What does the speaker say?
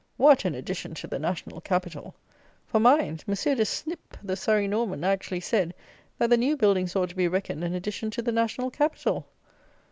What an "addition to the national capital!" For, mind, Monsieur de Snip, the Surrey Norman, actually said, that the new buildings ought to be reckoned an addition to the national capital!